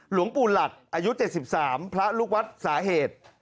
หลวงปู่หลัดอายุ๗๓พระลูกวัดสาเหตุ